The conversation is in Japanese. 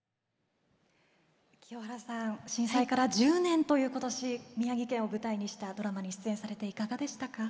震災から１０年という今年宮城県を舞台にしたドラマに出演されていかがでしたか？